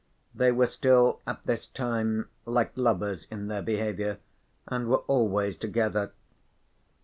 They were still at this time like lovers in their behaviour and were always together.